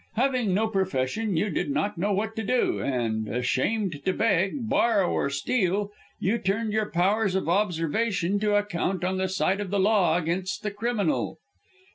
Having no profession you did not know what to do, and, ashamed to beg, borrow, or steal, you turned your powers of observation to account on the side of the law against the criminal."